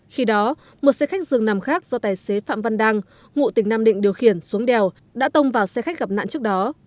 khi đó một xe khách dường nằm khác do tài xế phạm văn đăng ngụ tỉnh nam định điều khiển xuống đèo đã tông vào xe khách gặp nạn trước đó